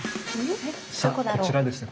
さあこちらですね